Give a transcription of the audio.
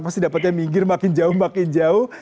pasti dapatnya minggir makin jauh makin jauh